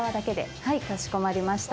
はい、かしこまりました。